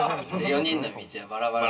４人の道はバラバラ。